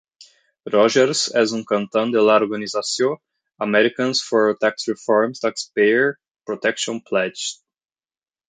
Rogers és un cantant de l'organització Americans for Tax Reform's Taxpayer Protection Pledge.